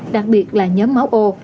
đặc biệt là nhóm máu ô